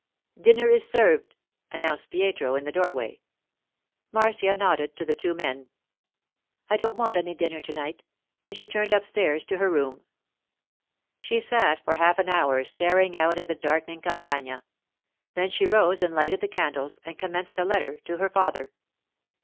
'Dinner is served,' announced Pietro in the doorway. Marcia nodded to the two men. 'I don't want any dinner to night,' and she turned upstairs to her room. She sat for half an hour staring out at the darkening Campagna; then she rose and lighted the candles, and commenced a letter to her father.